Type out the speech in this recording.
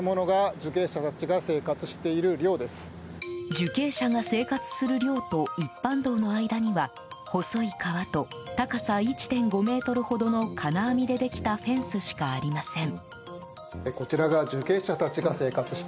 受刑者が生活する寮と一般道の間には細い川と高さ１．５ｍほどの金網でできたフェンスしかありません。